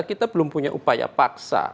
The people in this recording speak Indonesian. kita belum punya upaya paksa